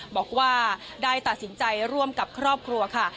บอกว่าได้ตัดสินใจร่วมกับครอบครัวค่ะ